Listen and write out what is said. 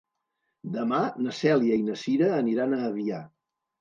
Demà na Cèlia i na Cira aniran a Avià.